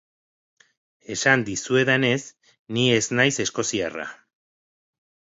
Esan dizuedanez, ni ez naiz eskoziarra.